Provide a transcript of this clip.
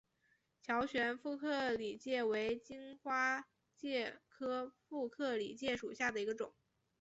乔玄副克里介为荆花介科副克里介属下的一个种。